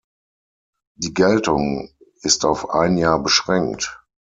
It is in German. Die Geltung ist auf ein Jahr beschränkt.